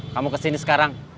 kamu kesini sekarang